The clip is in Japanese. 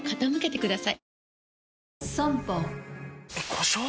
故障？